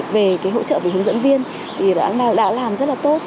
về cái hỗ trợ về hướng dẫn viên thì đã làm rất là tốt